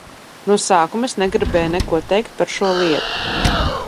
No sākuma es negribēju neko teikt par šo lietu.